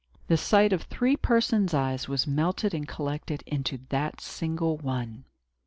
The sight of three persons' eyes was melted and collected into that single one.